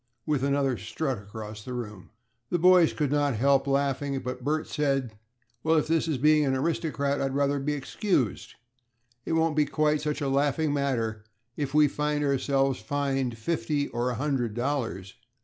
with another strut across the room. The boys could not help laughing, but Bert said, "Well, if this is being an aristocrat, I'd rather be excused. It won't be quite such a laughing matter if we find ourselves fined fifty or a hundred dollars."